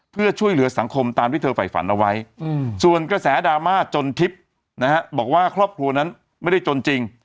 เพื่อช่วยเหลือสังคมตามที่เธอฝ่ายฝันเอาไว้ส่วนกระแสดราม่าจนทิพย์นะฮะบอกว่าครอบครัวนั้นไม่ได้จนจริง